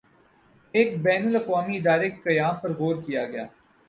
ایک بین الاقوامی ادارے کے قیام پر غور کیا گیا